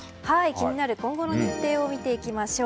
気になる今後の日程を見ていきましょう。